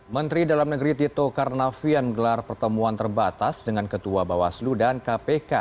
menteri dalam negeri tito karnavian menggelar pertemuan terbatas dengan ketua bawaslu dan kpk